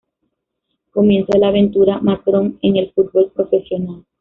Comienza la aventura Macron en el fútbol profesional.